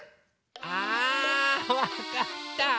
ああわかった！